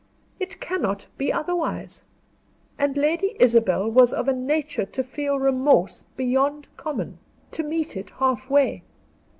"It cannot be otherwise. And Lady Isabel was of a nature to feel remorse beyond common to meet it half way.